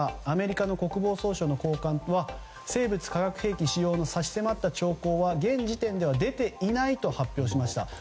アメリカの国防総省の高官は生物・化学兵器使用の差し迫った兆候は現時点では出ていないと発表しました。